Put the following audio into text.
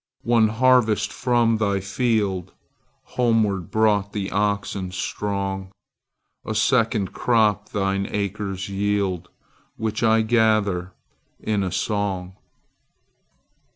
One harvest from thy fieldHomeward brought the oxen strong;A second crop thine acres yield, Which I gather in a song.